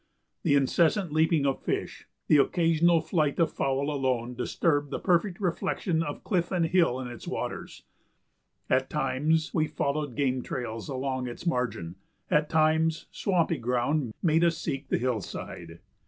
The incessant leaping of fish, the occasional flight of fowl alone disturbed the perfect reflection of cliff and hill in its waters. At times we followed game trails along its margin; at times swampy ground made us seek the hillside.